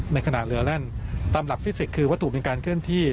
ในขณะเรือแล่นตามหลักฟิสิกส์คือวัตถุเป็นการเคลื่อนที่